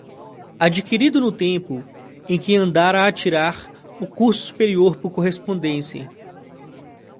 adquirido no tempo em que andara a tirar o curso superior por correspondência